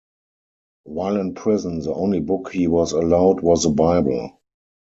While in prison the only book he was allowed was the Bible.